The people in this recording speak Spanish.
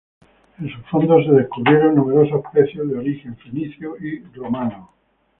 En sus fondos se descubrieron numerosos pecios de origen fenicio y romano.